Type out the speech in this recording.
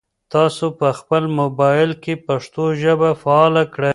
تاسو په خپل موبایل کې پښتو ژبه فعاله کړئ.